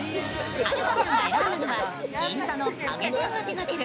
はるかさんが選んだのは銀座のハゲ天が手がける